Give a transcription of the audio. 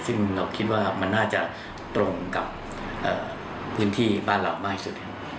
ซึ่งเราคิดว่ามันน่าจะตรงกับพื้นที่บ้านเรามากสุด